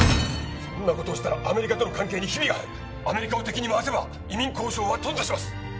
そんなことをしたらアメリカとの関係にヒビが入るアメリカを敵に回せば移民交渉は頓挫します！